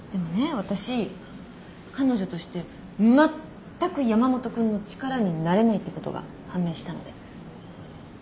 私彼女としてまったく山本君の力になれないってことが判明したので。